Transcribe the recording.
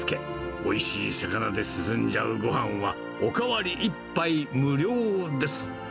おいしい魚で進んじゃうごはんは、お代わり１杯無料です。